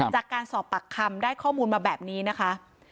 จากการสอบปากคำได้ข้อมูลมาแบบนี้นะคะ